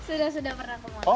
sudah sudah pernah ke monas